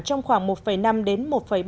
trong khoảng một năm đến một bảy mươi năm